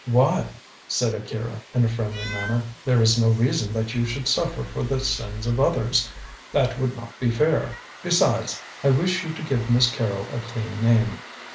"Why," said Akira, in a friendly manner, "there is no reason that you should suffer for the sins of others. That would not be fair. Besides, I wish you to give Miss Carrol a clean name.